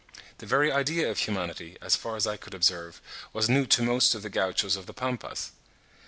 The very idea of humanity, as far as I could observe, was new to most of the Gauchos of the Pampas.